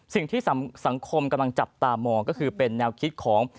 สิ่งที่สังคมกำลังจับตามองก็คือเป็นแนวคิดของ